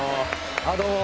あっどうも。